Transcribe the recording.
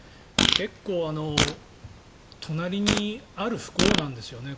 結構隣にある不幸なんですよね。